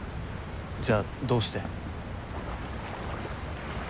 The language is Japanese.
じゃあどうして。